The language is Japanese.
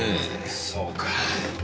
そうか。